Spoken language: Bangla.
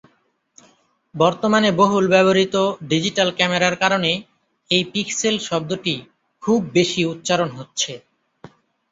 বর্তমানে বহুল ব্যবহৃত ডিজিটাল ক্যামেরার কারণে এই পিক্সেল শব্দটি খুব বেশি উচ্চারন হচ্ছে।